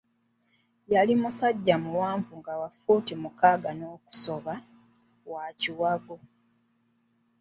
Yali musajja muwanvu nga wa ffuuti mukaaga n'okusoba, wa kiwago.